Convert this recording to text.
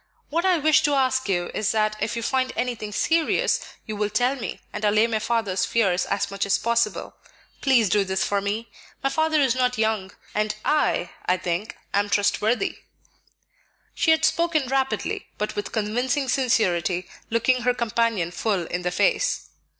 What I wish to ask you is that if you find anything serious, you will tell me, and allay my father's fears as much as possible. Please do this for me. My father is not young; and I, I think, am trustworthy." She had spoken rapidly, but with convincing sincerity, looking her companion full in the face.